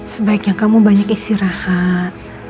sebaiknya kamu banyak istirahat